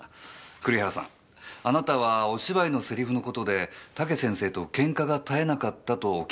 栗原さんあなたはお芝居のセリフのことで武先生と喧嘩が絶えなかったとお聞きしたんですが。